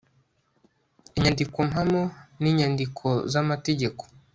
inyandiko mpamo n inyandiko z amategeko